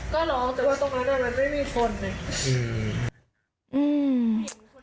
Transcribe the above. ก็ร้องแต่ว่าตรงนั้นมันไม่มีคนไง